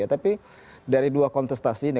tapi dari dua kontestasi ini